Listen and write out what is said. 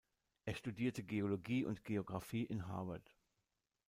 Er studierte Geologie und Geographie in Harvard.